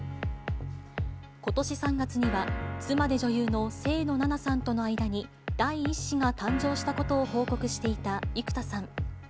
ことし３月には、妻で女優の清野菜名さんとの間に、第１子が誕生したことを報告していた生田さん。